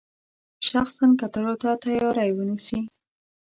شخصا کتلو ته تیاری ونیسي.